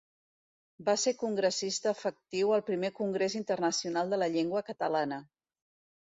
Va ser congressista efectiu al primer Congrés internacional de la llengua catalana.